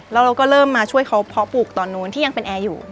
แล้วเราก็เริ่มมาช่วยเขาเพาะปลูกตอนนู้นที่ยังเป็นแอร์อยู่